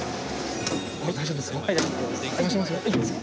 大丈夫ですか？